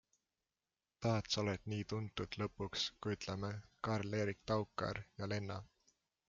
Tahad sa oled nii tuntud lõpuks kui ütleme...Karl-Erik Taukar ja Lenna?